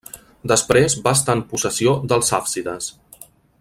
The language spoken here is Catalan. Després va estar en possessió dels hàfsides.